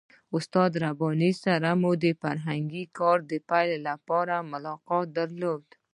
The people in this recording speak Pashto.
استاد رباني سره مو د فرهنګي کار د پیل لپاره ملاقات درلود.